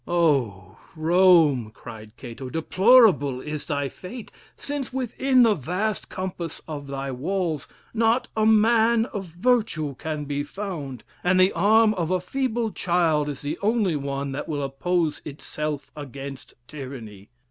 'Oh! Rome,' cried Cato, 'deplorable is thy fate, since within the vast compass of thy walls not a man of virtue can be found, and the arm of a feeble child is the only one that will oppose itself against tyranny!'